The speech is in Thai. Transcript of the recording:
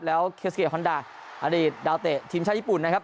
แล้วเคสเซียฮอนดาอดีตดาวเตะทีมชาติญี่ปุ่นนะครับ